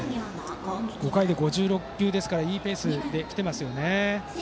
５回で５６球ですからいいペースで来ていますよね。